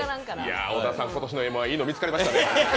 小田さん、今年の「Ｍ−１」いいの見つかりましたね。